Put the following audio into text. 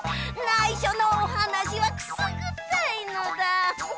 ないしょのおはなしはくすぐったいのだ。